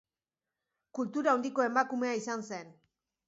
Kultura handiko emakumea izan zen.